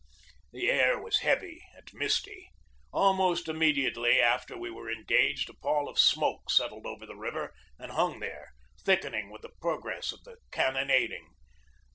The air was heavy and misty. Almost imme diately after we were engaged, a pall of smoke set tled over the river and hung there, thickening with the progress of the cannonading.